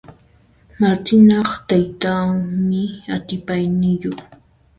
Martinaq taytanmi atipayniyuq.